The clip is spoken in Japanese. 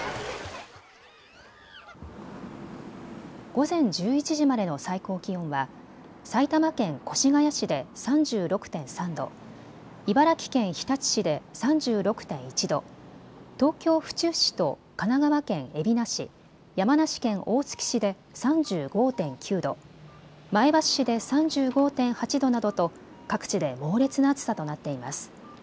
午前１１時までの最高気温は埼玉県越谷市で３６．３度、茨城県日立市で３６．１度、東京府中市と神奈川県海老名市、山梨県大月市で３５．９度、前橋市で３５．８度などと各地で猛烈な暑さとなっています。